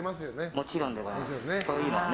もちろんでございます。